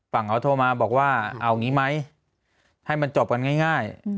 ฝั่งเขาโทรมาบอกว่าเอางี้ไหมให้มันจบกันง่าย